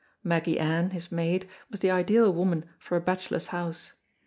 Maggy Ann, his maid, was the ideal woman for a bachelor's house.